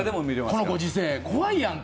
このご時世怖いやんか。